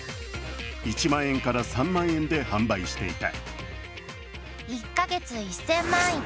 １万円から３万円で販売していた。